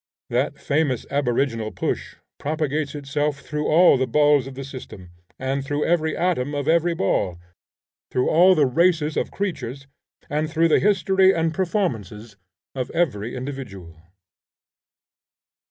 That famous aboriginal push propagates itself through all the balls of the system, and through every atom of every ball; through all the races of creatures, and through the history and performances of every individual.